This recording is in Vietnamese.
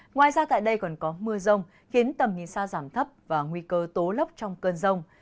ngoài ra tại đây còn có mưa rông khiến tầm nhìn xa giảm thấp và nguy cơ tố lốc trong cơn rông